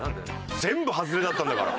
全部ハズレだったんだから。